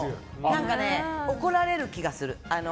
何か、怒られる気がする。